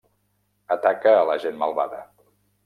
Ataca a la gent malvada.